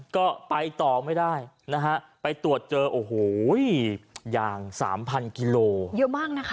ก็ไปต่อไม่ได้นะฮะไปตรวจเจอโอ้โหยางสามพันกิโลเยอะมากนะคะ